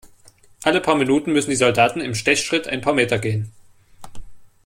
Alle paar Minuten müssen die Soldaten im Stechschritt ein paar Meter gehen.